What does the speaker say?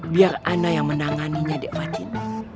biar ana yang menanganinya dikmatin